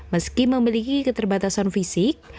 meski memiliki keterbatasan fisik